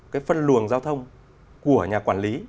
cái phân luồng giao thông của nhà quản lý